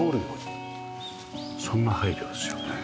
そんな配慮ですよね。